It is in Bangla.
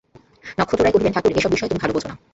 নক্ষত্ররায় কহিলেন, ঠাকুর, এ-সব বিষয়ে তুমি ভালো বোঝ না।